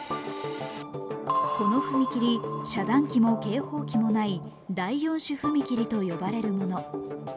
この踏切、遮断機も警報器もない第４種踏切と呼ばれるもの。